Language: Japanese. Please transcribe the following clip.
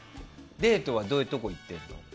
デートはどういうところ行ってんの？